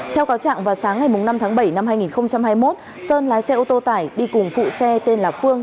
theo cáo trạng vào sáng ngày năm tháng bảy năm hai nghìn hai mươi một sơn lái xe ô tô tải đi cùng phụ xe tên là phương